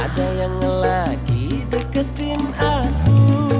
ada yang lagi deketin aku